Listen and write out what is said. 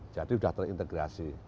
jadi sudah terintegrasi